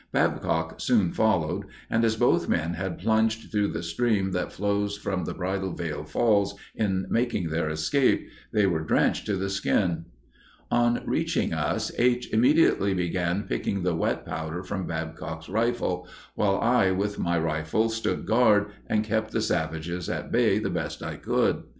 Babcock soon followed, and as both men had plunged through the stream that flows from the Bridal Veil Falls in making their escape, they were drenched to the skin. On reaching us, Aich immediately began picking the wet powder from Babcock's rifle, while I with my rifle stood guard and kept the savages at bay the best I could.